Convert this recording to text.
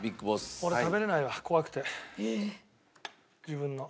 俺食べれないわ怖くて自分の。